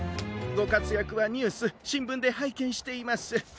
ごかつやくはニュースしんぶんではいけんしています。